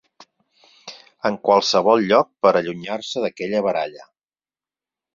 En qualsevol lloc per allunyar-se d'aquella baralla.